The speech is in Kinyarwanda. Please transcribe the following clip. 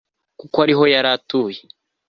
kuko ari ho yari atuye